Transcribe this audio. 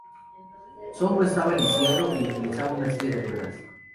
Songo estaba lisiado y utilizaba una silla de ruedas.